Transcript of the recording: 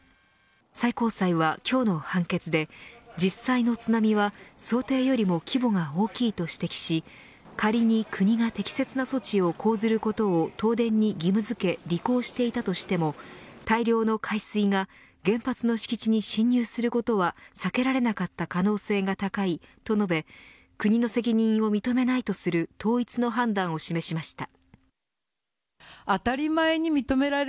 最高裁は今日の判決で実際の津波は、想定よりも規模が大きいと指摘し仮に国が適切な措置を講ずることを東電に義務付け履行していたとしても大量の海水が原発の敷地に侵入することは避けられなかった可能性が高いと述べ国の責任を認めないとする統一の判断を示しました。